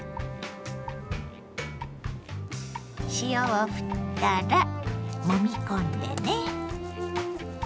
塩をふったらもみ込んでね。